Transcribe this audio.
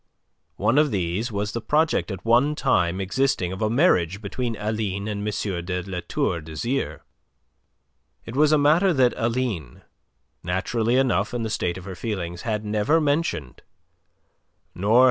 One of these was the project at one time existing of a marriage between Aline and M. de La Tour d'Azyr. It was a matter that Aline naturally enough in the state of her feelings had never mentioned, nor had M.